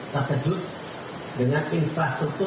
terkejut dengan infrastruktur